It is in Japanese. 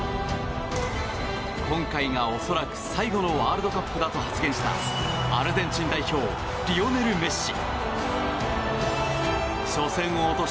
今回が恐らく最後のワールドカップだと発言したアルゼンチン代表リオネル・メッシ。